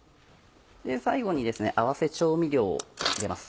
最後に合わせ調味料を入れます。